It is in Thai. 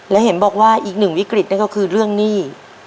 และเห็นบอกว่าอีกหนึ่งวิกฤตนั่นก็คือเรื่องหนี้